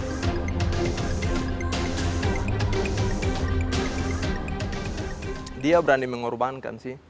ketika berada di kota dia berani mengorbankan sih